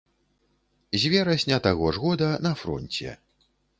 З верасня таго ж года на фронце.